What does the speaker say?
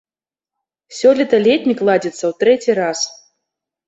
Сёлета летнік ладзіцца ў трэці раз.